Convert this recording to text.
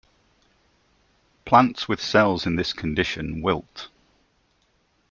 Plants with cells in this condition wilt.